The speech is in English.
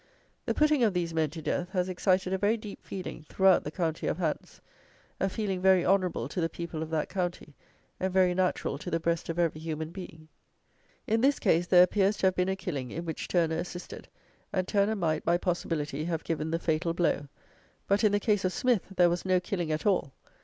The putting of these men to death has excited a very deep feeling throughout the County of Hants; a feeling very honourable to the people of that county, and very natural to the breast of every human being. In this case there appears to have been a killing, in which Turner assisted; and Turner might, by possibility, have given the fatal blow; but in the case of Smith, there was no killing at all.